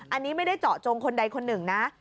อันนี้ไม่ได้เจาะจงคนใดคนหนึ่งนะ